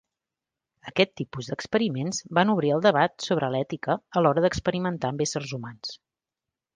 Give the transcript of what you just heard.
Aquest tipus d'experiments van obrir el debat sobre l'ètica a l'hora d'experimentar amb éssers humans.